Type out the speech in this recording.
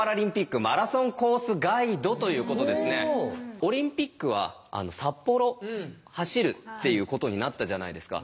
オリンピックは札幌走るっていうことになったじゃないですか。